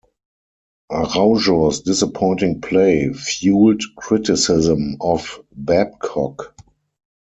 Araujo's disappointing play fuelled criticism of Babcock.